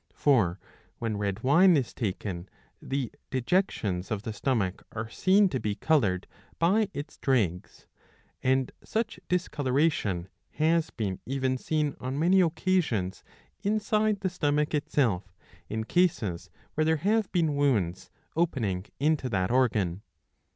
For, when red wine is taken, the dejections of the stomach are seen to be coloured by its dregs ; and such discoloration has been even seen on many occasions inside the stomach itself, in cases where there have been wounds opening into that organ.